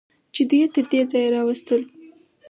چې دوی یې تر دې ځایه راوستل.